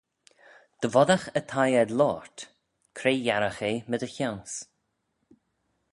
Dy voddagh y thie ayd loayrt, cre yiarragh eh my dty chione's?